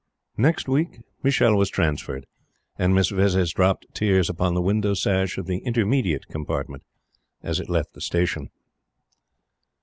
Next week Michele was transferred, and Miss Vezzis dropped tears upon the window sash of the "Intermediate" compartment as he left the Station.